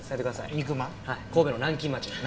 神戸の南京町の。